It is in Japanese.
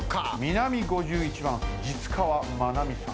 南５１番實川真奈美さん。